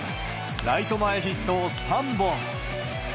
ライト前ヒットを３本。